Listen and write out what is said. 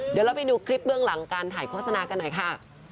เดี๋ยวเราไปดูคลิปเบื้องหลังการถ่ายโฆษณากันหน่อยค่ะ